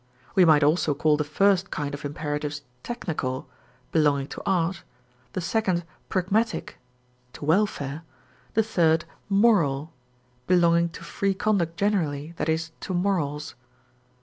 We might also call the first kind of imperatives technical (belonging to art), the second pragmatic * (to welfare), the third moral (belonging to free conduct generally, that is, to morals).